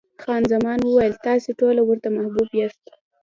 خان زمان وویل، تاسې ټوله ورته محبوب یاست.